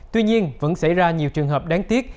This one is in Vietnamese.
tuy nhiên vẫn xảy ra nhiều trường hợp đáng tiếc